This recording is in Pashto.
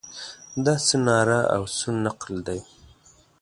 دا څه ناره او څه نقل دی.